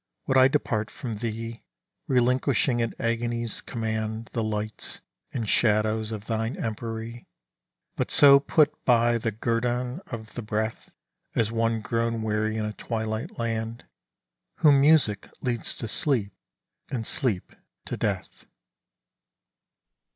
would I depart from thee Relinquishing at Agony's command The lights and shadows of thine empery; But so put by the guerdon of the breath As one grown weary in a twilight land, Whom Music leads to Sleep, and Sleep to Death.